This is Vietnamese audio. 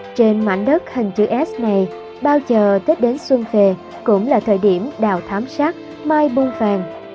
trên mảnh đất hình chữ s này bao giờ tết đến xuân về cũng là thời điểm đào thám sát mai bung vàng